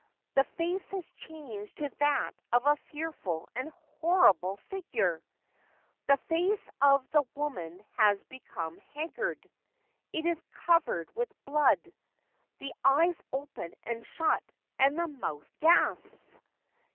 The face has changed to that of a fearful and horrible figure. The face of the woman has become haggard. It is covered with blood. The eyes open and shut, and the mouth gasps.